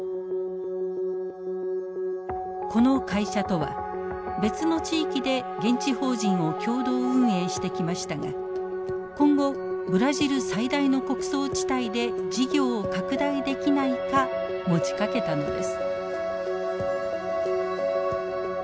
この会社とは別の地域で現地法人を共同運営してきましたが今後ブラジル最大の穀倉地帯で事業を拡大できないか持ちかけたのです。